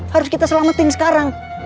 harus kita selamatin sekarang